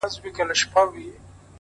گراني چي ستا سره خبـري كوم ـ